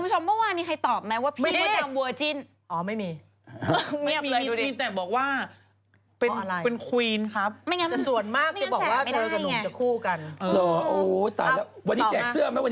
เออโอ้ยตายแล้ววันนี้แจกเสื้อไหมวันนี้แจกไหมแจกแจก๒ตัว